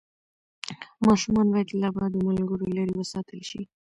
ماشومان باید له بدو ملګرو لرې وساتل شي.